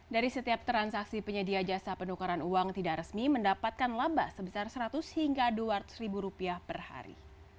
dari setiap transaksi penyedia jasa penukaran uang tidak resmi mendapatkan laba sebesar seratus hingga dua ratus ribu rupiah per hari